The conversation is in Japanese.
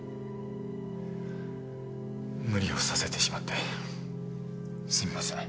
無理をさせてしまってすみません。